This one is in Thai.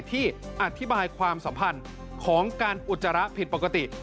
ที่อธิบายความสัมพันธ์ของการอุจจาระผิดปกติ